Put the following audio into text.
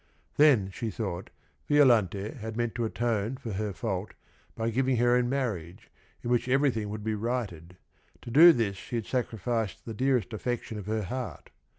Then, she thought, Violante had meant to atone for her fault by giving her in marriage, in which everything would be righted. To do this she had sacrificed the dearest affection of her heart.